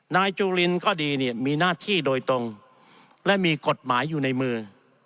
นายจุลินก็ดีเนี่ยมีหน้าที่โดยตรงและมีกฎหมายอยู่ในมือ